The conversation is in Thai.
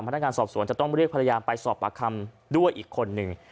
พนักงานสอบสวนจะต้องเรียกภรรยาไปสอบปากคำด้วยอีกคนหนึ่ง